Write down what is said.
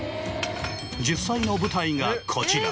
実際の舞台がこちら。